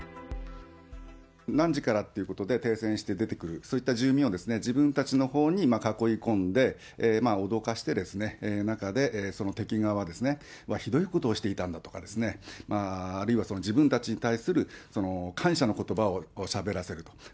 何時からっていうことで停戦して出てくる、そういった住民を自分たちのほうに囲い込んで、脅かしてですね、中で敵側はひどいことをしていたんだとかですね、あるいは自分たちに対する感謝のことばをしゃべらせると。